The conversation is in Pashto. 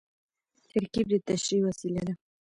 ترکیب د تشریح وسیله ده.